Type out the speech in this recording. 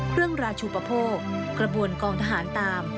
เครื่องราชุปโภคกระบวนกองทหารตาม